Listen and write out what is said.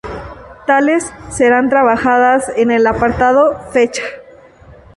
Tales serán trabajadas en el apartado "Fecha".